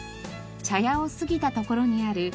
茶屋を過ぎたところにある樹齢